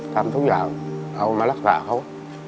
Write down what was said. ทำทุกอย่างเอามารักษาเขา